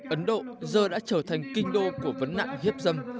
ấn độ giờ đã trở thành kinh đô của vấn nạn hiếp dâm